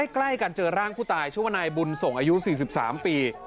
ใกล้กันเจอร่างผู้ตายชื่อว่านายบุญส่งอายุ๔๓ปี